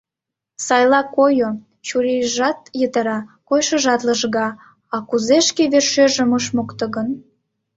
Сайла койо, чурийжат йытыра, койышыжат лыжга, а кузе шке вершӧржым ыш мокто гын?